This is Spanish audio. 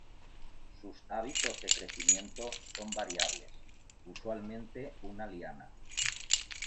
Sus hábitos de crecimiento son variables, usualmente una liana.